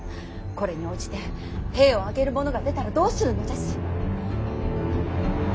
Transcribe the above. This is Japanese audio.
これに応じて兵を挙げる者が出たらどうするのです。